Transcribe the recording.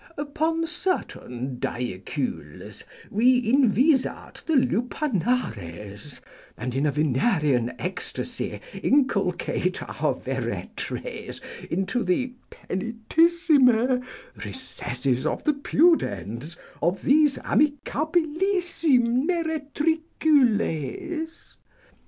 Upon certain diecules we invisat the lupanares, and in a venerian ecstasy inculcate our veretres into the penitissime recesses of the pudends of these amicabilissim meretricules.